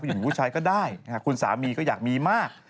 หญิงผู้ชายก็ได้คุณสามีก็อยากมีมาก